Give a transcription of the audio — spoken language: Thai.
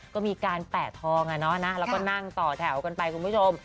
ก็มีการแปะทองแล้วก็นั่งต่อแถวกันไปคุณผู้ชม